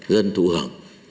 dân thụ học